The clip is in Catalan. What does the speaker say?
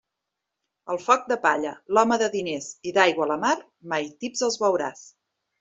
El foc de palla, l'home de diners i d'aigua la mar, mai tips els veuràs.